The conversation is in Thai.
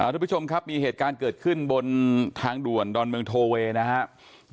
ทุกผู้ชมครับมีเหตุการณ์เกิดขึ้นบนทางด่วนดอนเมืองโทเวย์นะครับ